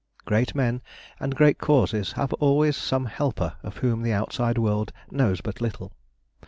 Great men and great causes have always some helper of whom the outside world knows but little.